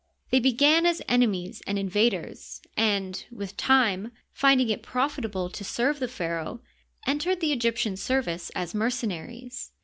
Thejr began as enemies and invaders, and with time, finding it profitable to serve the pharaoh, entered the Egyptian service as mercenaries.